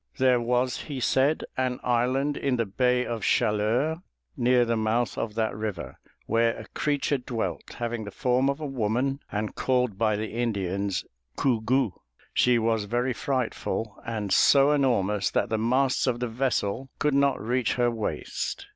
There was, he said, an island in the bay of Chaleurs, near the mouth of that river, where a creature dwelt, having the form of a woman and called by the Indians Gougou. She was very frightful, and so enormous that the masts of the vessel could not reach her waist.